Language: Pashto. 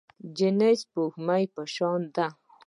نجلۍ د سپوږمۍ په شان ده.